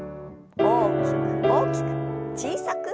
大きく大きく小さく。